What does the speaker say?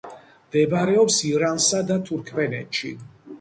მდებარეობს ირანსა და თურქმენეთში.